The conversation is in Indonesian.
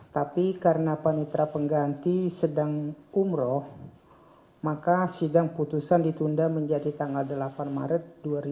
tapi karena panitra pengganti sedang umroh maka sidang putusan ditunda menjadi tanggal delapan maret dua ribu dua puluh